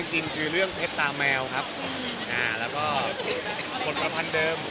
จริงคือเลี่ยงเพชรตามแมวและผลประพันธุ์เดิม